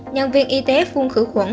nhân viên y tế phun khử khuẩn